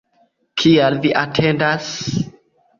Kial vi atendas?